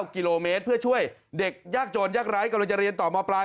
กิโลเมตรเพื่อช่วยเด็กยากจนยากร้ายกำลังจะเรียนต่อมปลาย